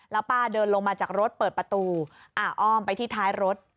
แล้วป้าเดินลงมาจากรถเปิดประตูอ้อมไปที่ท้ายรถ